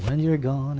anh cần ai